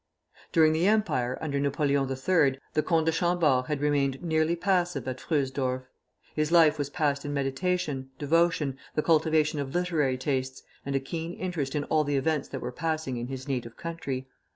During the Empire, under Napoleon III., the Comte de Chambord had remained nearly passive at Fröhsdorf. His life was passed in meditation, devotion, the cultivation of literary tastes, and a keen interest in all the events that were passing in his native country.